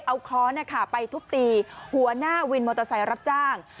เอาค้อนไปทุบตีหัวหน้าวินมอเตอร์ไซค์รับจ้าง